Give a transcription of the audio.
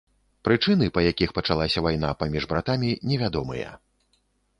Прычыны, па якіх пачалася вайна паміж братамі, невядомыя.